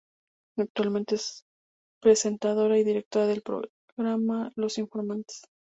Actualmente es presentadora y directora del programa Los informantes.